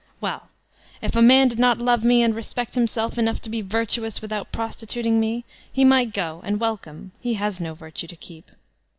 (Well, if a man did not love me and respect himself enough to be ''virtuous" without prostituting me, he might go, and welcome. He has no virtue to keep.)